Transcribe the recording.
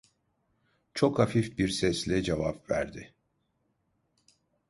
Çok hafif bir sesle cevap verdi: